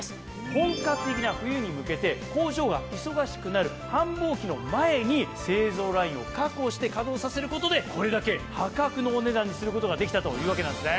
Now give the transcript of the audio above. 本格的な冬に向けて工場が忙しくなる繁忙期の前に製造ラインを確保して稼働させることでこれだけ破格のお値段にすることができたというわけなんですね。